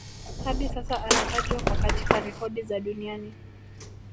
Hadi sasa anatajwa kwa katika rekodi za duniani